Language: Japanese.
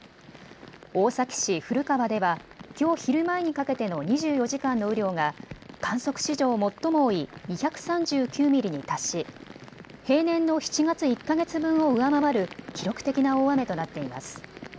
大崎市古川ではきょう昼前にかけての２４時間の雨量が観測史上最も多い２３９ミリに達し、平年の７月１か月分を上回る記録的な大雨となっています。